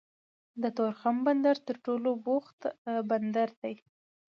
د تورخم بندر تر ټولو بوخت بندر دی